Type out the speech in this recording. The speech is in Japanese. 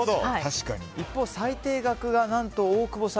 一方、最低額が何と大久保さん。